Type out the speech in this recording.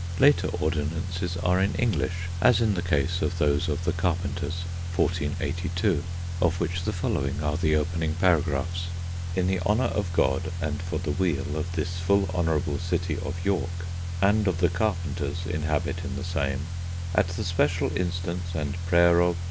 Later ordinances are in English as in the case of those of the Carpenters, 1482, of which the following are the opening paragraphs: "In the honour of God, and for the weile of this full honourabill cite of York, and of the carpenters inhabit in the same at the special instaunce and praier of"